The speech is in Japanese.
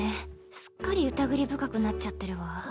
すっかり疑り深くなっちゃってるわ。